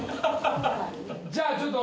じゃあちょっと。